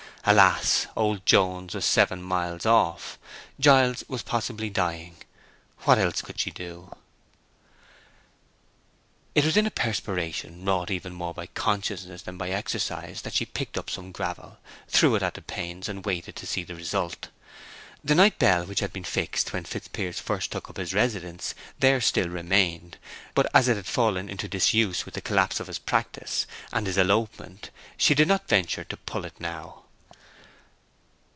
Alas!—old Jones was seven miles off; Giles was possibly dying—what else could she do? It was in a perspiration, wrought even more by consciousness than by exercise, that she picked up some gravel, threw it at the panes, and waited to see the result. The night bell which had been fixed when Fitzpiers first took up his residence there still remained; but as it had fallen into disuse with the collapse of his practice, and his elopement, she did not venture to pull it now.